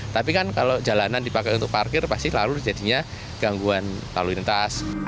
tapi kan kalau jalanan dipakai untuk parkir pasti lalu jadinya gangguan lalu lintas